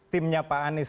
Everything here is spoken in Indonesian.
timnya pak anies